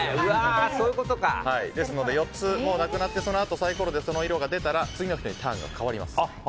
ですので、４つなくなってそのあとサイコロでその色が出たら、次の人にターンが変わります。